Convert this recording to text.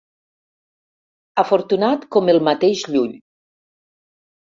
Afortunat com el mateix Llull.